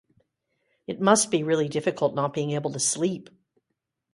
It must be really difficult not being able to sleep.